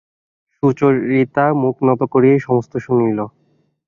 সুচরিতা মুখ নত করিয়াই সমস্ত শুনিল।